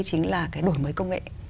chính là cái đổi mới công nghệ